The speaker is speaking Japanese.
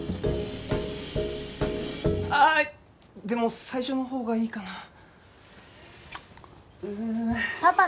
でも最初のほうがいいかなあ。